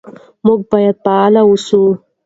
موږ باید فعال اوسو.